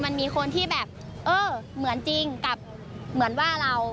มันมีคนที่แบบเออเหมือนจริงกับเหมือนว่าเรา